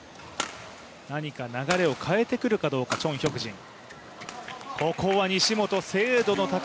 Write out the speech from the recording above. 流れを変えてくるかどうかチョン・ヒョクジン。